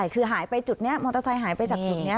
คือหายไปจุดนี้มอเตอร์ไซค์หายไปจากจุดนี้